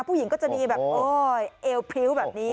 ผู้หญิงก็จะมีแบบโอ๊ยเอวพริ้วแบบนี้